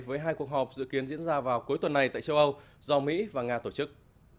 với hai cuộc họp dự kiến diễn ra vào cuối tuần này tại châu âu do mỹ và nga tổ chức